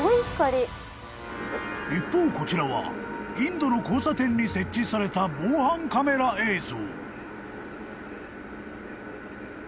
［一方こちらはインドの交差点に設置された防犯カメラ映像］